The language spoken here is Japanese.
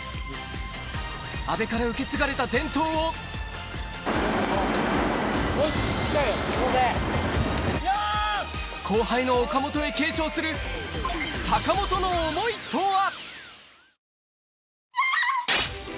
阿部から受け継がれた伝統を後輩の岡本へ継承する坂本の思いとは？